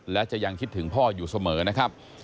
และจะยังคิดถึงพ่ออยู่เสมอนะครับ